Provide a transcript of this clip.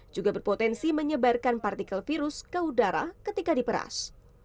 juga berpotensi menyebarkan partikel virus ke udara ketika diperas